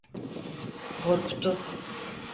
Korktu…